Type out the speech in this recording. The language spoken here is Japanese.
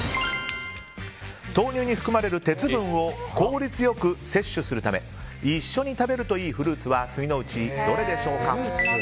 豆乳に含まれる鉄分を効率良く摂取するため一緒に食べるといいフルーツは次のうちどれでしょうか？